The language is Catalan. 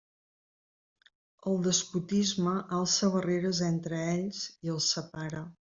El despotisme alça barreres entre ells i els separa.